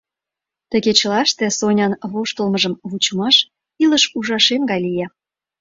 Ты кечылаште Сонян воштылмыжым вучымаш илыш ужашем гай лие.